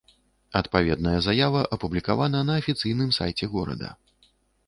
Адпаведная заява апублікавана на афіцыйным сайце горада.